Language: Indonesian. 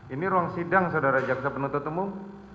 ini ruang sidang saudara jaksa penuntut umum